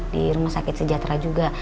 di rumah sakit sejahtera juga